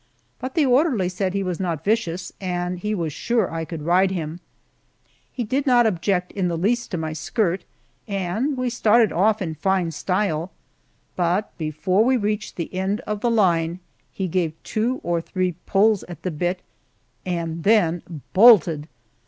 But the orderly said he was not vicious, and he was sure I could ride him. He did not object in the least to my skirt, and we started off in fine style, but before we reached the end of the line he gave two or three pulls at the bit, and then bolted!